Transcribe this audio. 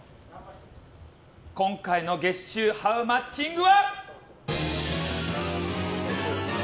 今回の月収ハウマッチングは。